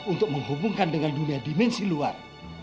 untuk menghubungkan dengan dunia dimensi luar